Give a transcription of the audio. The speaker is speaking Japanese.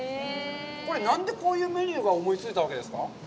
これ、何でこういうメニューを思いついたわけですか。